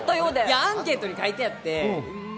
アンケートに書いてあって。